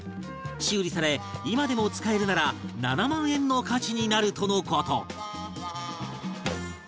修理され今でも使えるなら７万円の価値になるとの事